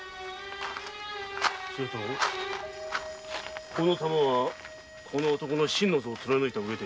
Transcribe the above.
するとこの弾はこの男の心の臓を貫いたうえで。